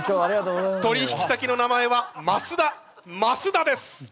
取引先の名前は増田増田です！